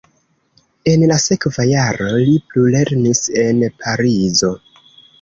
En la sekva jaro li plulernis en Parizo.